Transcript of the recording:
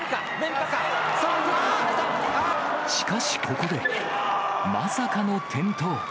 しかし、ここでまさかの転倒。